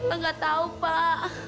engga tahu pak